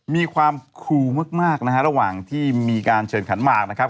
มีความคูมากนะฮะระหว่างที่มีการเชิญขันหมากนะครับ